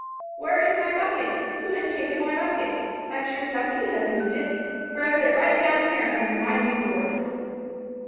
"[#][#] "Where is my bucket? Who has taken my bucket? I am sure somebody has moved it, for I put it right down here under my new gourd."